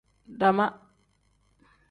Dama.